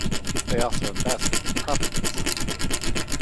They also invest in properties.